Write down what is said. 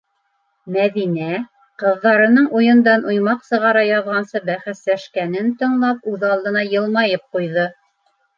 Мәҙинә, ҡыҙҙарының уйындан уймаҡ сығара яҙғансы бәхәсләшкәнен тыңлап, үҙ алдына йылмайып ҡуйҙы.